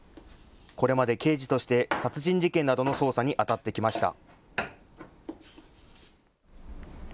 これまで刑事として殺人事件などの捜査にあたってきました。